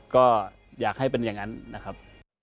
ก็อยากให้เป็นอย่างนั้นนะครับ